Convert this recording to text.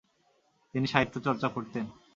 তিনি সাহিত্য চর্চা করতেন।